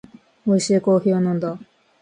おいしいコーヒーを飲んだ